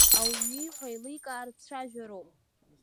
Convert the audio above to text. Ауаҩы ииҳәо еилыркаартә дцәажәароуп.